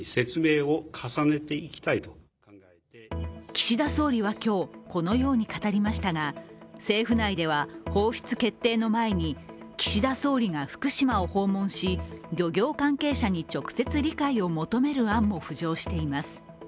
岸田総理は今日、このように語りましたが、政府内では放出決定の前に岸田総理が福島を訪問し、漁業関係者に直接理解を求める案も浮上しています。